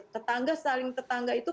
tetangga saling tetangga itu